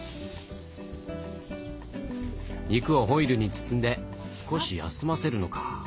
肉をホイルに包んで少し休ませるのか。